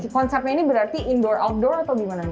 konsepnya ini berarti indoor outdoor atau gimana nih